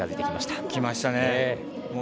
きましたね。